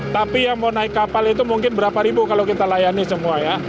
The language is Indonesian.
tapi yang mau naik kapal itu mungkin berapa ribu kalau kita layani semua ya